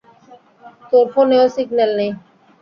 তোর ফোনেও সিগন্যাল নেই।